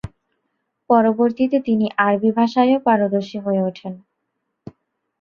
পরবর্তীতে তিনি আরবী ভাষাও পারদর্শী হয়ে উঠেন।